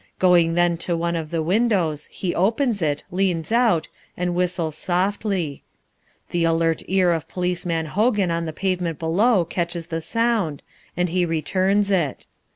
Going then to one of the windows, he opens it, leans out, and whistles softly. The alert ear of Policeman Hogan on the pavement below catches the sound, and he returns it.